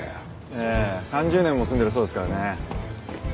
ええ３０年も住んでるそうですからね。